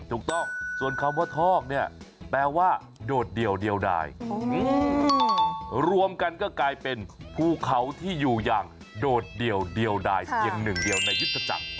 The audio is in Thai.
ถูกต้องส่วนคำว่าทอกเนี่ยแปลว่าโดดเดี่ยวเดียวได้รวมกันก็กลายเป็นภูเขาที่อยู่อย่างโดดเดี่ยวเดียวดายเพียงหนึ่งเดียวในยุทธจักร